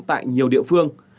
tại nhiều địa phương